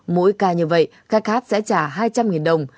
mỗi ca như vậy ca hát sẽ trả hai trăm linh đồng